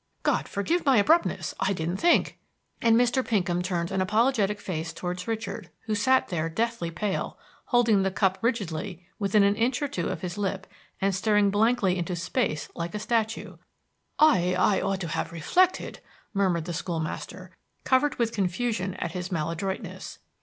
God forgive my abruptness! I didn't think!" and Mr. Pinkham turned an apologetic face towards Richard, who sat there deathly pale, holding the cup rigidly within an inch or two of his lip, and staring blankly into space like a statue. "I I ought to have reflected," murmured the school master, covered with confusion at his maladroitness.